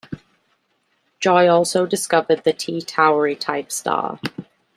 Joy also discovered the T-Tauri type star.